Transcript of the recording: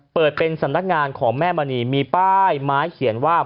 เปิดเป็นสำนักงานของแม่มณีมีป้ายไม้เขียนว่า